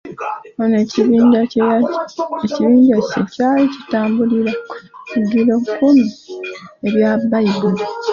Ono ekibinja kye kyali kitambulirira ku biragirokkumi ebya Bayibuli.